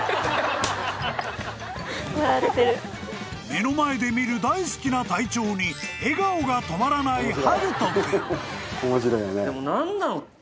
［目の前で見る大好きな隊長に笑顔が止まらない大翔君］